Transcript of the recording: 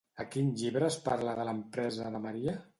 A quin llibre es parla de l'empresa de Maria?